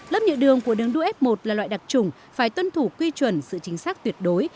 lớp nhựa đường của đường đua f một là loại đặc trùng phải tuân thủ quy chuẩn sự chính xác tuyệt đối